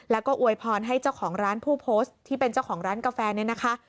แล้วก็อวยพรให้เจ้าของร้านผู้โพสต์ที่เป็นเจ้าของร้านกาแฟเนี่ยนะคะ